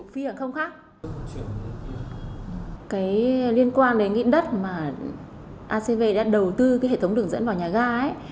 cái liên quan đến đất mà acv đã đầu tư cái hệ thống đường dẫn vào nhà ga ấy